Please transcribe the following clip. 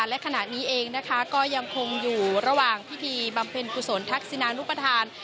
และขณะนี้เองนะคะก็ยังคงอยู่ระหว่างพิธีบำเพ็ญกุศลทักษินานุปทาน